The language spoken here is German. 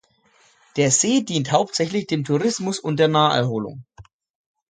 Der See dient hauptsächlich dem Tourismus und der Naherholung.